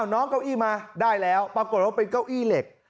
น้องเก้าอี้มาได้แล้วปรากฏว่าเป็นเก้าอี้เหล็ก